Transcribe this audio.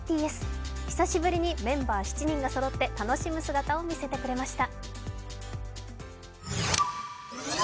久しぶりにメンバー７人がそろって楽しむ姿を見せてくれました。